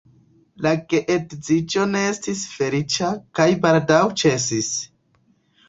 La geedziĝo ne estis feliĉa kaj baldaŭ ĉesis.